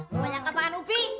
bukannya kebahan ufi